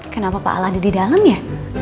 kenapa pak al ada di dalem ya